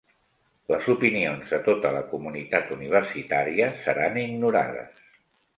Les opinions de tota la comunitat universitària seran ignorades.